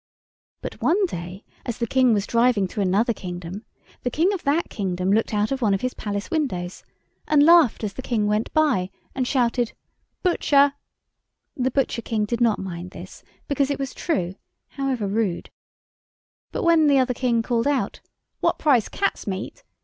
But one day, as the King was driving through another kingdom, the King of that kingdom looked out of one of his Palace windows, and laughed as the King went by, and shouted, "Butcher!" [Illustration: THE KING SENT HIS ARMY, AND THE ENEMY WERE CRUSHED.] The Butcher King did not mind this, because it was true, however rude. But when the other King called out, "What price cat's meat!"